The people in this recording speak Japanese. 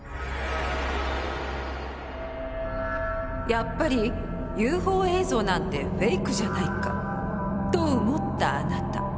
「やっぱりＵＦＯ映像なんてフェイクじゃないか」と思ったあなた。